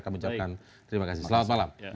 akan mengucapkan terima kasih selamat malam